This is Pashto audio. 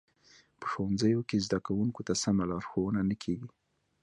په ښوونځیو کې زده کوونکو ته سمه لارښوونه نه کیږي